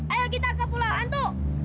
ayo kita ke pulau hantu